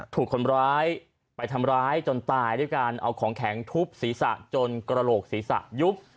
ถูกคนร้ายไปทำร้ายจนตายด้วยการเอาของแข็งทุบศีรษะจนกระโหลกศีรษะยุบ